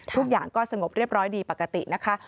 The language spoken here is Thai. ทุกอย่างก็สงบเรียบร้อยดีปกตินะคะ